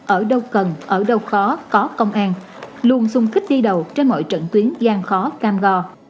ở đâu cần ở đâu khó có công an luôn sung kích đi đầu trên mọi trận tuyến gian khó cam go